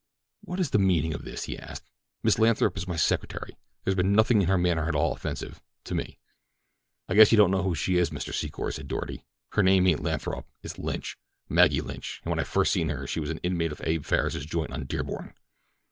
"What is the meaning of this?" he asked. "Miss Lathrop is my secretary. There has been nothing in her manner at all offensive—to me." "I guess you don't know who she is, Mr. Secor," said Doarty. "Her name ain't Lathrop—it's Lynch, Maggie Lynch, and when I first seen her she was an inmate of Abe Farris's joint on Dearborn."